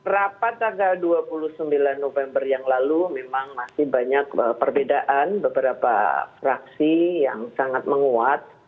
rapat tanggal dua puluh sembilan november yang lalu memang masih banyak perbedaan beberapa fraksi yang sangat menguat